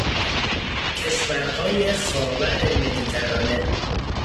کشورهای خاور مدیترانه